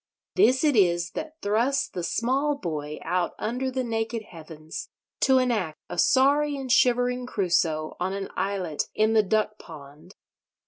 This it is that thrusts the small boy out under the naked heavens, to enact a sorry and shivering Crusoe on an islet in the duck pond.